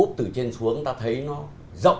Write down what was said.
úp từ trên xuống ta thấy nó rộng